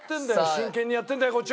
真剣にやってるんだよこっちは！